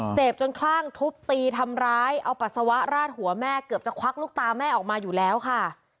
จนคลั่งทุบตีทำร้ายเอาปัสสาวะราดหัวแม่เกือบจะควักลูกตาแม่ออกมาอยู่แล้วค่ะ